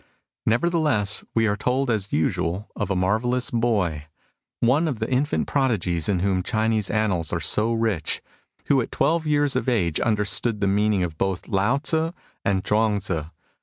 Never theless, we are told as usual of a marvellous boy — NATIVE CRITICISM 31 one of the infant prodigies in whom Chinese annals are so rich — ^who at twelve years of age understood the me€tning of both Lao Tzu and Chuang Tzu.